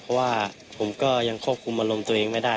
เพราะว่าผมก็ยังควบคุมอารมณ์ตัวเองไม่ได้